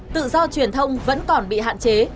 tự do truyền thông vẫn còn bị hạn chế